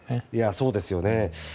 そうですよね。